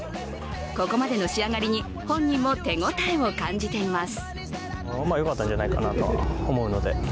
ここまでの仕上がりに本人も手応えを感じています。